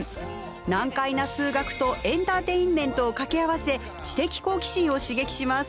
難解な数学とエンターテインメントを掛け合わせ知的好奇心を刺激します。